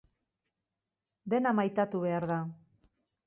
Dena maitatu behar da.